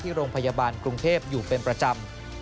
โรงพยาบาลกรุงเทพอยู่เป็นประจำ